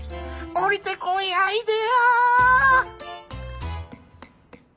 降りてこいアイデア！